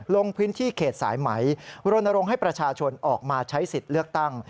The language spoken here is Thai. ลงพื้นที่เขตสายไหมรณรงค์ให้ประชาชนออกมาใช้สิทธิ์เลือกตั้ง